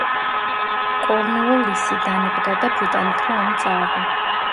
კორნუოლისი დანებდა და ბრიტანეთმა ომი წააგო.